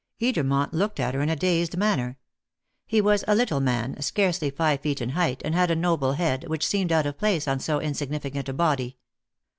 Edermont looked at her in a dazed manner. He was a little man, scarcely five feet in height, and had a noble head, which seemed out of place on so insignificant a body.